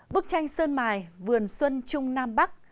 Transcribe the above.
bức tranh sơn mài vườn xuân trung nam bắc